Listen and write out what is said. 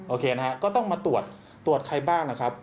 โอเคนะฮะก็ต้องมาตรวจตรวจใครบ้างนะครับ